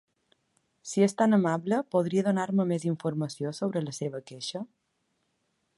Si és tant amable, podria donar-me més informació sobre la seva queixa?